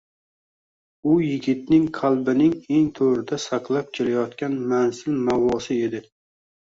U yigitning qalbining eng toʻrida saqlab kelayotgan manzil-maʼvosi edi.